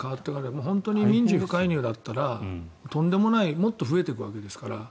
本当に民事不介入だったらとんでもないもっと増えていくわけですから。